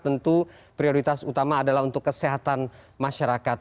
tentu prioritas utama adalah untuk kesehatan masyarakat